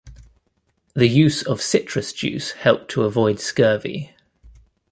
The use of citrus juice helped to avoid scurvy.